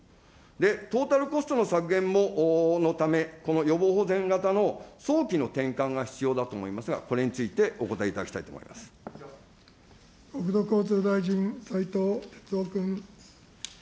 で、トータルコストの削減のため、この予防保全型の早期の転換が必要だと思いますが、これについて国土交通大臣、斉藤鉄夫君。